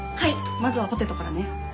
まずはポテトからね。